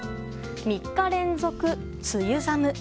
３日連続、梅雨寒。